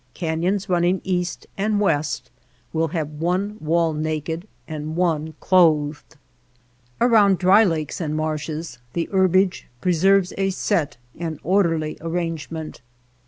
Cafions running east and west will have one wall naked and one clothed. Around dry lakes and marshes the herbage pre 9 THE LAND OF LITTLE RAIN serves a set and orderly arrangement.